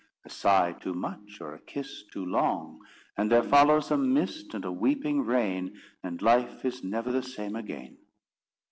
A sigh too much, or a kiss too long, And there follows a mist and a weeping rain, And life is never the same again.